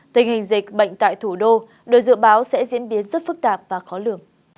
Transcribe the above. tình hình dịch bệnh tại thủ đô được dự báo sẽ diễn biến rất phức tạp và khó lường